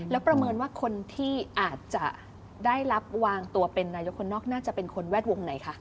แล้วประเมินว่าคนที่อาจจะได้รับวางตัวเป็นนายกคนนอกน่าจะเป็นคนแวดวงไหนคะ